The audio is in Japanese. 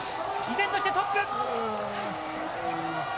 依然としてトップ。